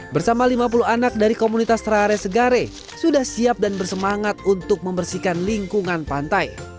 bersama lima puluh anak dari komunitas terare segare sudah siap dan bersemangat untuk membersihkan lingkungan pantai